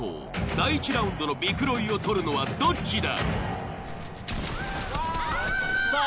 第１ラウンドのビクロイを獲るのはどっちだ！？